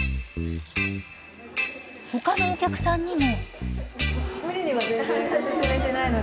他のお客さんにも。